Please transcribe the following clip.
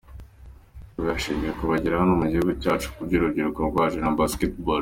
Ati: “Birashimishije kubagira hano mu gihugu cyacu kubw’urubyiruko rwacu na Basketball.